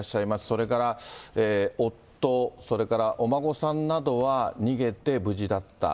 それから夫、それからお孫さんなどは逃げて無事だった。